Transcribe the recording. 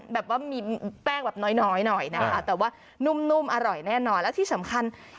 แบบว่ามีแป้งแบบน้อยหน่อยนะคะแต่ว่านุ่มอร่อยแน่นอนและที่สำคัญ